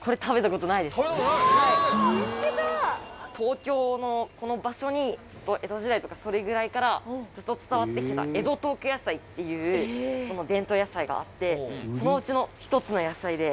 東京のこの場所にずっと江戸時代とかそれぐらいからずっと伝わってきた江戸東京野菜っていう伝統野菜があってそのうちの１つの野菜で。